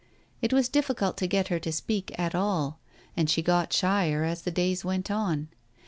It was difficult to get her to speak at all, and she got shyer as the days went on.